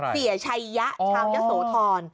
เศียชัยยะชาวเยอะสูทร